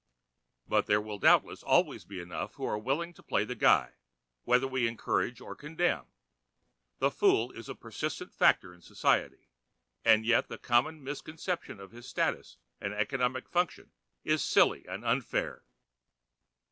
But there will doubtless always be enough who are willing to play the guy, whether we encourage or condemn. The fool is a persistent factor in society, and yet the common misconception of his status and economic function is silly and unfair.